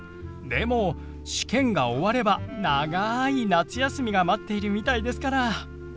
でも試験が終われば長い夏休みが待っているみたいですから。